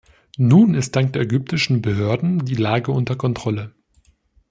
Nun ist dank der ägyptischen Behörden die Lage unter Kontrolle.